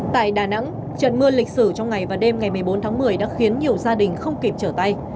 tại đà nẵng trận mưa lịch sử trong ngày và đêm ngày một mươi bốn tháng một mươi đã khiến nhiều gia đình không kịp trở tay